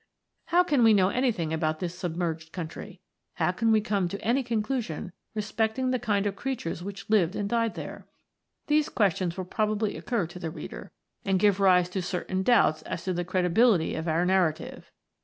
How can we know anything about this submerged country 1 how can we come to any conclusion re specting the kind of creatures which lived and died there 1 These questions will probably occur to the reader, and give rise to certain doubts as to the cre dibility of our narrative.